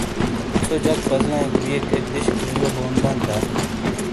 ژھو جک پزیلایئک بیئک ایک دِشیکینی یو بون بانت دا؟